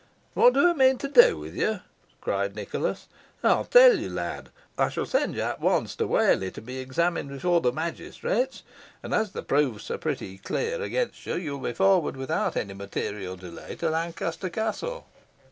"What do I mean to do with you?" cried Nicholas. "I will tell you, lad. I shall send you at once to Whalley to be examined before the magistrates; and, as the proofs are pretty clear against you, you will be forwarded without any material delay to Lancaster Castle."